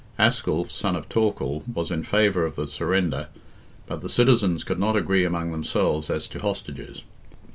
Asculph, son of Torcall, was in favour of the surrender, but the citizens could not agree among themselves as to hostages.